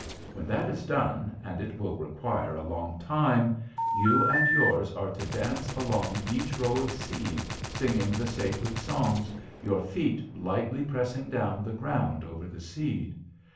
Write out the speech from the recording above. When that is done, and it will require a long time, you and yours are to dance along each row of seed, singing the sacred songs, your feet lightly pressing down the ground over the seed.